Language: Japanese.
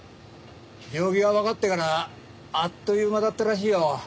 病気がわかってからあっという間だったらしいよ。